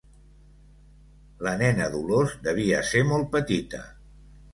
La nena Dolors devia ser molt petita.